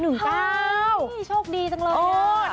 เฮ้ยโชคดีจังเลยนะ